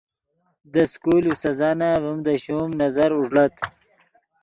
دے سکول استاذانف ڤیم دے شوم نظر اوݱڑت